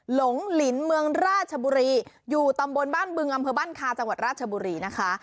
หลงหลินเมืองราชบุรีอยู่ตำบลบ้านบึงอำเภอบ้านคาจังหวัดราชบุรีนะคะ